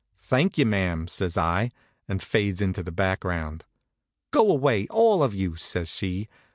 "Thank you, ma'am," says I, and fades into the background. "Go away, all of you!" says she.